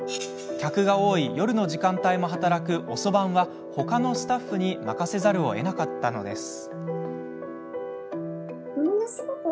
客が多い夜の時間帯も働く遅番はほかのスタッフに任せざるをえなくなってしまったのです。